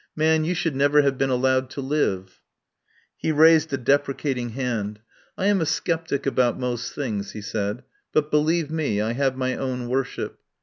"Man, you should never have been allowed to live." He raised a deprecating hand. "I am a sceptic about most things," he said, "but, be lieve me, I have my own worship.